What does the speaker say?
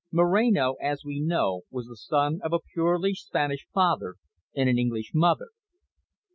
Moreno, as we know, was the son of a purely Spanish father and an English mother.